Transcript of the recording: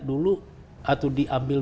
dulu atau diambil